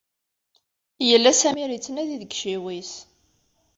Yella Samir yettnadi deg yiciwi-is.